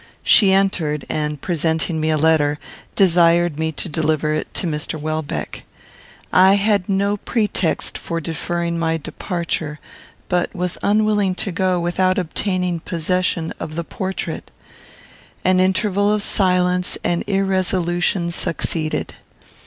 She entered, and, presenting me a letter, desired me to deliver it to Mr. Welbeck. I had no pretext for deferring my departure, but was unwilling to go without obtaining possession of the portrait. An interval of silence and irresolution succeeded.